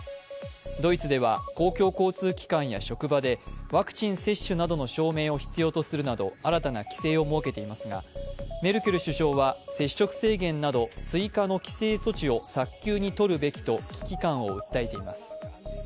ドイツでは公共交通機関や職場でワクチン接種などの証明を必要とするなど新たな規制を設けていますが、メルケル首相は接触制限など、追加の規制措置を早急にとるべきと危機感を訴えています。